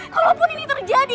kalaupun ini terjadi